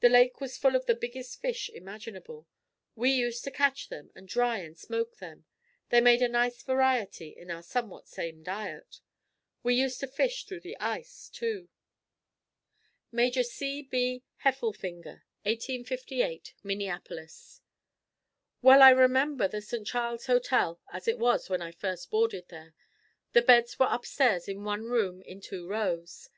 The lake was full of the biggest fish imaginable. We used to catch them, and dry and smoke them. They made a nice variety in our somewhat same diet. We used to fish through the ice, too. Major C. B. Heffelfinger 1858, Minneapolis. Well I remember the St. Charles hotel as it was when I first boarded there. The beds were upstairs in one room in two rows.